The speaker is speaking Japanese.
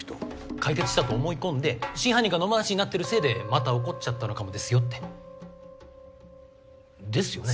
解決したと思い込んで真犯人が野放しになってるせいでまた起こっちゃったのかもですよって。ですよね？